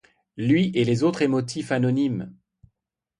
lui et les autres émotifs anonymes.